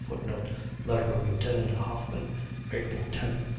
[Footnote: Letter of Lieutenant Hoffman, April 10, 1815.